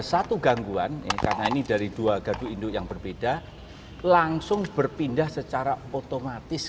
satu gangguan karena ini dari dua gardu induk yang berbeda langsung berpindah secara otomatis